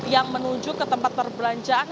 yang menuju ke tempat perbelanjaan